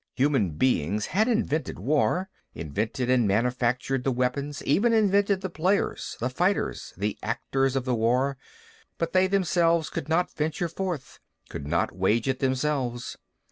Human beings had invented war, invented and manufactured the weapons, even invented the players, the fighters, the actors of the war. But they themselves could not venture forth, could not wage it themselves.